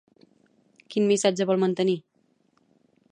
Quin missatge vol mantenir?